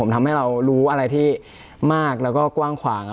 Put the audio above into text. ทำให้เรารู้อะไรที่มากแล้วก็กว้างขวาง